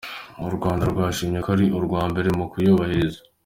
U Rwanda rwashimwe ko ari urwa mbere mu kubyubahiriza.